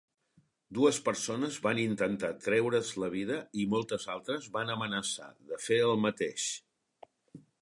Dues persones van intentar treure's la vida i moltes altres van amenaçar de fer el mateix.